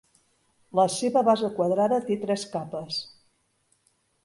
La seva base quadrada té tres capes.